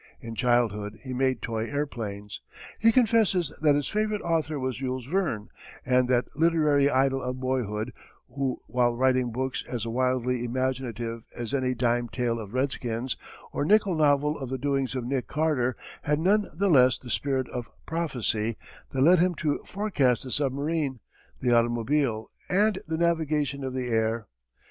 In childhood he made toy airplanes. He confesses that his favourite author was Jules Verne, that literary idol of boyhood, who while writing books as wildly imaginative as any dime tale of redskins, or nickel novel of the doings of "Nick Carter" had none the less the spirit of prophecy that led him to forecast the submarine, the automobile, and the navigation of the air.